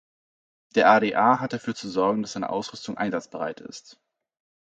Der AdA hat dafür zu sorgen, dass seine Ausrüstung einsatzbereit ist.